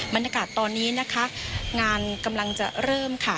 บรรยากาศตอนนี้นะคะงานกำลังจะเริ่มค่ะ